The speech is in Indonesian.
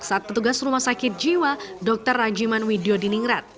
saat petugas rumah sakit jiwa dr rajimin widjodiningrat